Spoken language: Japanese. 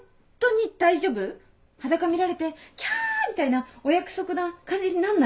裸見られて「キャ」みたいなお約束な感じになんない？